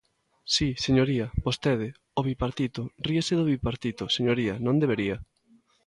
Si, señoría, vostedes, o Bipartito; ríase do Bipartito, señoría, non debería.